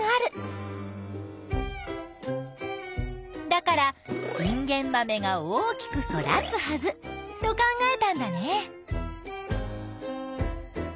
だからインゲンマメが大きく育つはずと考えたんだね。